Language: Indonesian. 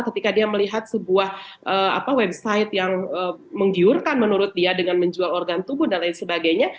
ketika dia melihat sebuah website yang menggiurkan menurut dia dengan menjual organ tubuh dan lain sebagainya